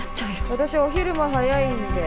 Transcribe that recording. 私お昼も早いんで。